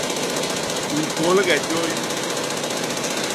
ñkôlge jôy.